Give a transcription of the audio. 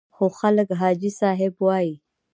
خو خلک حاجي صاحب وایي.